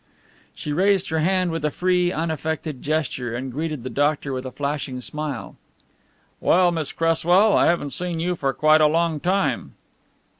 She raised her hand with a free unaffected gesture, and greeted the doctor with a flashing smile. "Well, Miss Cresswell, I haven't seen you for quite a long time."